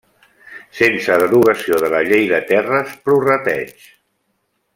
Sense derogació de la Llei de Terres prorrateig.